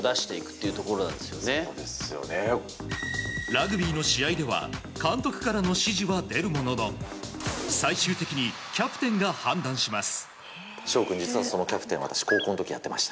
ラグビーの試合では監督からの指示は出るものの最終的にキャプテンが判断します。